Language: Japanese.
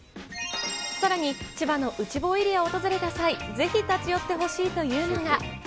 さらに千葉の内房エリアを訪れた際、ぜひ立ち寄ってほしいというのが。